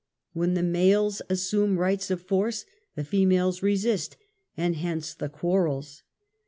When the males assume rights of force the females resist, and hence the quarrels.